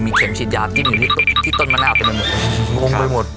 มีเข็มฉีดยาจิ้มอยู่ที่ต้นมะนาวไปหมด